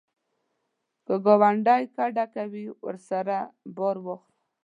که ګاونډی کډه کوي، ورسره بار واخله